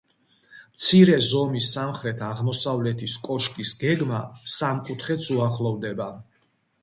მცირე ზომის სამხრეთ-აღმოსავლეთის კოშკის გეგმა სამკუთხედს უახლოვდება.